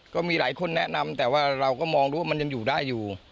ก็มีหลายคนแนะนำแต่ว่าเราก็มองดูว่ามันยังอยู่ได้อยู่